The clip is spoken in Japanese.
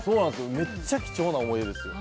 めっちゃ貴重な思い出ですよ。